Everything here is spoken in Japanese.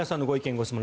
・ご質問